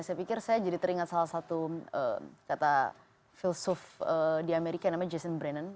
saya pikir saya jadi teringat salah satu kata filsuf di amerika yang namanya jason brand